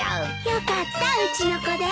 よかったうちの子で。